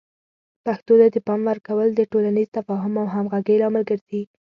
پښتو ته د پام ورکول د ټولنیز تفاهم او همغږۍ لامل ګرځي.